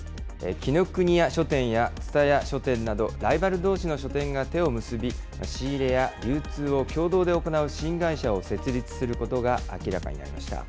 紀伊國屋書店や蔦屋書店など、ライバルどうしの書店が手を結び、仕入れや流通を共同で行う新会社を設立することが明らかになりました。